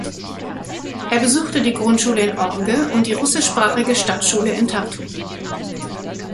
Er besuchte die Grundschule in Orge und die russischsprachige Stadtschule in Tartu.